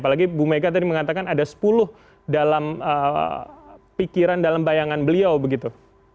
apalagi bu mega tadi mengatakan ada sepuluh dalam pikiran dalam bayangan beliau begitu